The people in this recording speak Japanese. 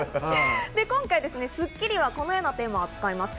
今回『スッキリ』はこのようなテーマを扱います。